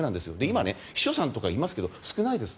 今、秘書さんとかいますが少ないです。